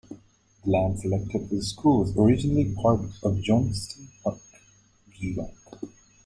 The land selected for the school was originally part of Johnstone Park, Geelong.